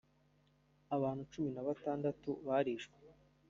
abantu cumi na batandatu barishwe